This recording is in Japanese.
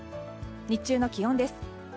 日中の気温です。